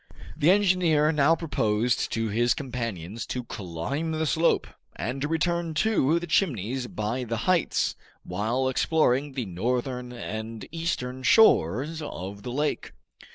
The engineer now proposed to his companions to climb the slope, and to return to the Chimneys by the heights, while exploring the northern and eastern shores of the lake.